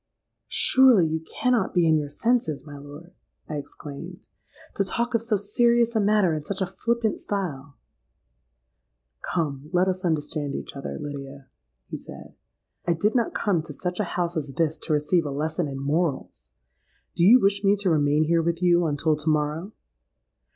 '—'Surely you cannot be in your senses, my lord,' I exclaimed, 'to talk of so serious a matter in such a flippant style?'—'Come, let us understand each other, Lydia,' he said. 'I did not come to such a house as this to receive a lesson in morals. Do you wish me to remain here with you until to morrow?'